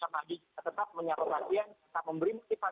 karena kita tetap menyapa pasien kita memberi maksimal